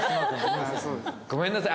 ごめんなさい。